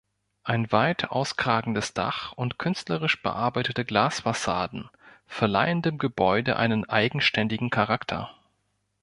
Ein weit auskragendes Dach und künstlerisch bearbeitete Glasfassaden verleihen dem Gebäude einen eigenständigen Charakter.